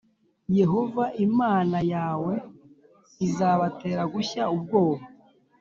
Yehova Imana yawe azabatera gushya ubwoba,